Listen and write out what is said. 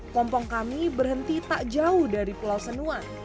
pompong kami berhenti tak jauh dari pulau senua